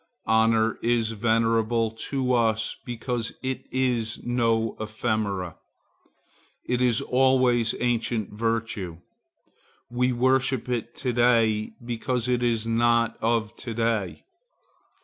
Honor is venerable to us because it is no ephemera. It is always ancient virtue. We worship it to day because it is not of to day.